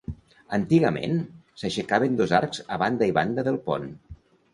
Antigament, s'aixecaven dos arcs a banda i banda del pont.